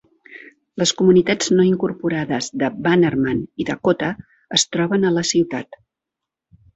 Les comunitats no incorporades de Bannerman i Dakota es troben a la ciutat.